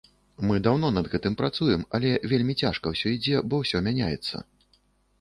Мы даўно над гэтым працуем, але вельмі цяжка ўсё ідзе, бо ўсё мяняецца.